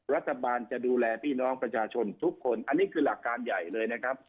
รัฐบาลจะดูแลพี่น้องประชาชนทุกคนอันนี้คือหลักการใหญ่เลยนะครับ